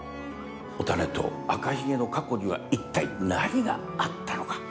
おたねと赤ひげの過去にはいったい何があったのか。